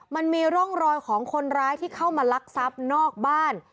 มันมีร่องรอยของคนร้ายที่เข้ามาลักทรัพย์นอกบ้าน